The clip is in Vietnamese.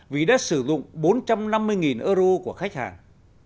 vì đã sử dụng bốn trăm năm mươi euro của khách hàng